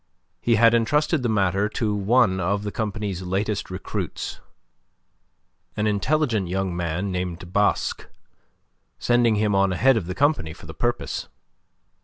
He had entrusted the matter to one of the company's latest recruits, an intelligent young man named Basque, sending him on ahead of the company for the purpose.